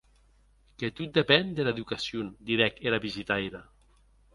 Que tot depen dera educacion, didec era visitaira.